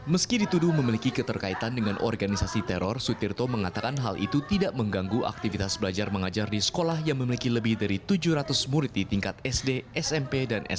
meski dituduh memiliki keterkaitan dengan organisasi teror sutirto mengatakan hal itu tidak mengganggu aktivitas belajar mengajar di sekolah yang memiliki lebih dari tujuh ratus murid di tingkat sd smp dan smp